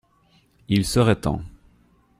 Il serait temps.